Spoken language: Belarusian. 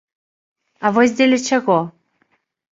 А вось дзеля чаго?